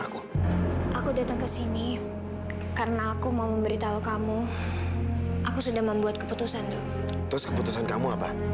kau putus dan aku